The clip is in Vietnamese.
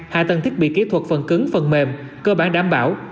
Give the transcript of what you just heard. hạ tầng thiết bị kỹ thuật phần cứng phần mềm cơ bản đảm bảo